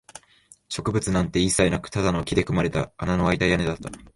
植物なんて一切なく、ただの木で組まれた穴のあいた屋根だった